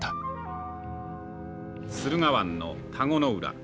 「駿河湾の田子ノ浦。